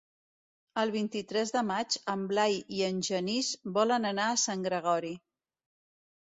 El vint-i-tres de maig en Blai i en Genís volen anar a Sant Gregori.